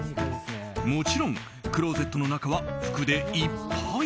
もちろんクローゼットの中は服でいっぱい。